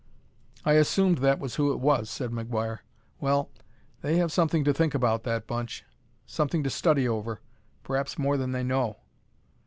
"I assumed that was who it was," said McGuire. "Well, they have something to think about, that bunch; something to study over.... Perhaps more than they know.